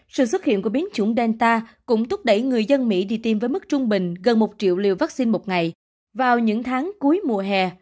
sự xuất hiện của biến chủng delta cũng thúc đẩy người dân mỹ đi tiêm với mức trung bình gần một triệu liều vaccine một ngày vào những tháng cuối mùa hè